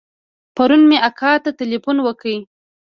پرون مې اکا ته ټېلفون وکړ.